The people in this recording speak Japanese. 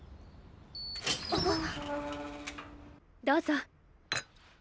どうぞ。